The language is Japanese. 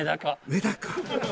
メダカ。